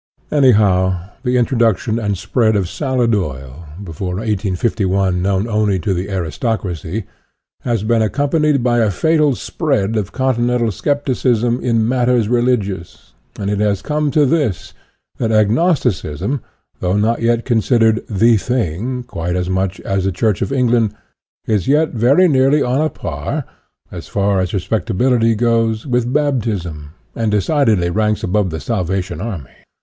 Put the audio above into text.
Anyhow, the introduc tion and spread of salad oil (before 1851 known only to the aristocracy) has been accompanied by a fatal spread of continental scepticism in mat ters religious, and it has come to this, that ag nosticism, though not yet considered " the thing " quite as much as the Church of England, is yet very nearly on a par, as far as respectability goes, with Baptism, and decidedly ranks above the Salvation Army.